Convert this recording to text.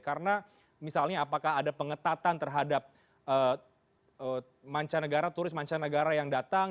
karena misalnya apakah ada pengetatan terhadap turis mancanegara yang datang